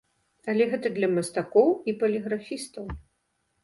Але гэта для мастакоў і паліграфістаў.